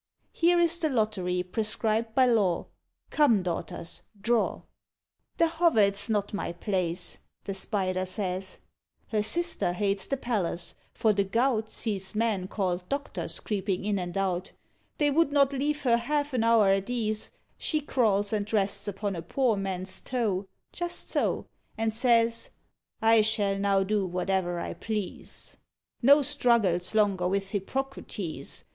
Here is the lottery prescribed by law, Come, daughters, draw." "The hovel's not my place," the Spider says; Her sister hates the palace, for the Gout Sees men called doctors creeping in and out, They would not leave her half an hour at ease: She crawls and rests upon a poor man's toe, Just so, And says, "I shall now do whate'er I please. No struggles longer with Hippocrates!